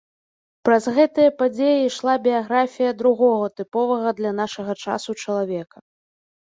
Праз гэтыя падзеі ішла біяграфія другога тыповага для нашага часу чалавека.